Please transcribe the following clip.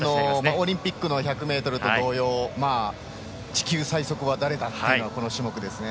オリンピックの１００ｍと同様地球最速は誰かというのがこの種目ですね。